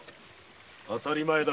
当たり前だ。